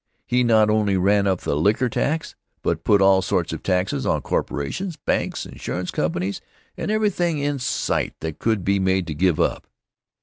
He not only ran up the liquor tax, but put all sorts of taxes on corporations, banks, insurance companies, and everything in sight that could be made to give up.